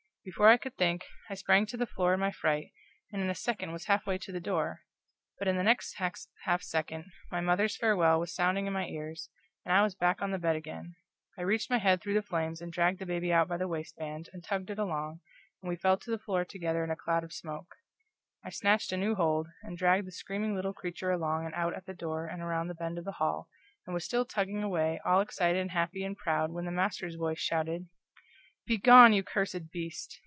Before I could think, I sprang to the floor in my fright, and in a second was half way to the door; but in the next half second my mother's farewell was sounding in my ears, and I was back on the bed again. I reached my head through the flames and dragged the baby out by the waist band, and tugged it along, and we fell to the floor together in a cloud of smoke; I snatched a new hold, and dragged the screaming little creature along and out at the door and around the bend of the hall, and was still tugging away, all excited and happy and proud, when the master's voice shouted: "Begone you cursed beast!"